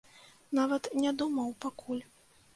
Нават не думаў пакуль.